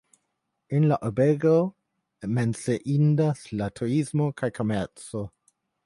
En la urbego menciindas la turismo kaj komerco.